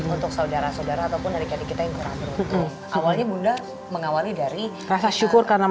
untuk saudara saudara ataupun adik adik kita yang kurang beruntung